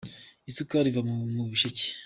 isukari iva mu ibishecye